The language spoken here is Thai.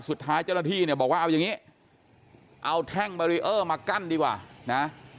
สุดท้ายเจ้าหน้าที่เนี่ยบอกว่าเอาอย่างนี้เอาแท่งบารีเออร์มากั้นดีกว่านะ